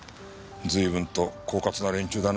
随分と狡猾な連中だな。